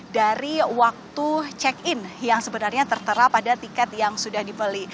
dari waktu check in yang sebenarnya tertera pada tiket yang sudah dibeli